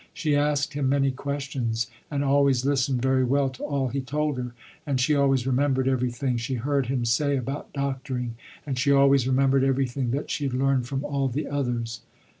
She asked him many questions and always listened very well to all he told her, and she always remembered everything she heard him say about doctoring, and she always remembered everything that she had learned from all the others.